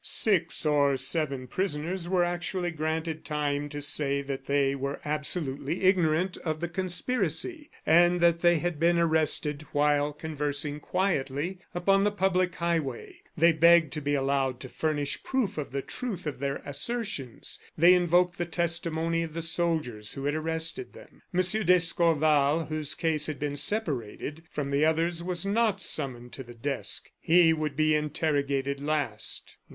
Six or seven prisoners were actually granted time to say that they were absolutely ignorant of the conspiracy, and that they had been arrested while conversing quietly upon the public highway. They begged to be allowed to furnish proof of the truth of their assertions; they invoked the testimony of the soldiers who had arrested them. M. d'Escorval, whose case had been separated from the others, was not summoned to the desk. He would be interrogated last.